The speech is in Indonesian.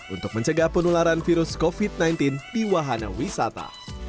untuk mencegah penularan virus covid sembilan belas di wahana wisata